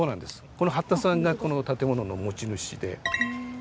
この八田さんがこの建物の持ち主で。